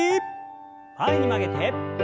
前に曲げて。